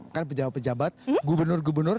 kan pejabat pejabat gubernur gubernur